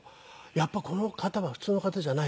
やっぱりこの方は普通の方じゃないと。